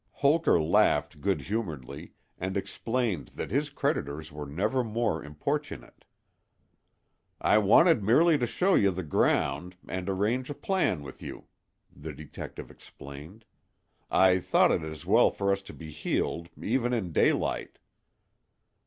Holker laughed good humoredly, and explained that his creditors were never more importunate. "I wanted merely to show you the ground, and arrange a plan with you," the detective explained. "I thought it as well for us to be heeled, even in daylight."